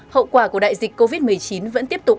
hậu quả của đại dịch covid một mươi chín vẫn tiếp tục